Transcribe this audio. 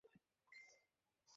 না, আসলে আমাদের এখনো সন্তান হয়নি।